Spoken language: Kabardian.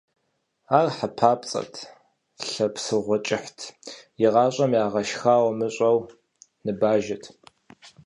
Ар хьэ папцӀэт, лъэ псыгъуэ кӀыхьт, игъащӀэм ягъэшхауэ умыщӀэну ныбаджэт.